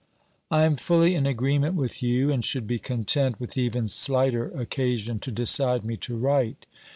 I am fully in agreement with you, and should be content with even slighter occasion to decide me to write.